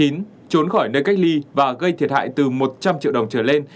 trốn khỏi nơi cách ly và gây thiệt hại từ một trăm linh triệu đồng trở lên